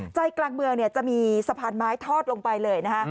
ใจกลางเมืองจะมีสะพานไม้ทอดลงไปเลยนะฮะ